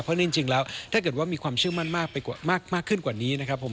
เพราะจริงแล้วถ้าเกิดว่ามีความเชื่อมั่นมากขึ้นกว่านี้นะครับผม